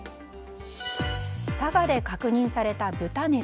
佐賀で確認された豚熱。